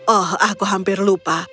oh aku hampir lupa